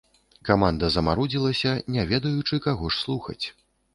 Каманда замарудзілася, не ведаючы, каго ж слухаць.